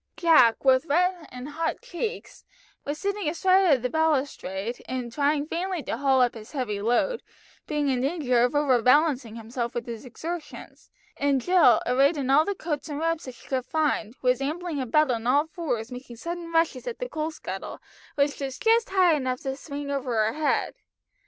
Jack, with red and hot cheeks, was sitting astride of the balustrade and trying vainly to haul up his heavy load, being in danger of over balancing himself with his exertions, and Jill, arrayed in all the coats and wraps that she could find, was ambling about on all fours making sudden rushes at the coal scuttle, which was just high enough to swing over her head.